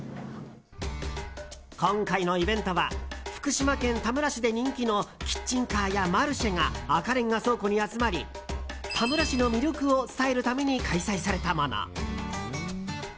今回のイベントは福島県田村市で人気のキッチンカーやマルシェが赤レンガ倉庫に集まり田村市の魅力を伝えるために開催されたもの。